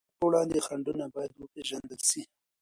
د پرمختګ په وړاندي خنډونه بايد وپېژندل سي.